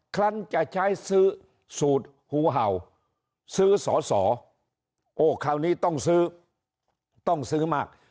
คลั้นจะใช้ซื้อสูตรหูเห่าซื้อสอสอโอ้คราวนี้ต้องซื้อต้องซื้อมาก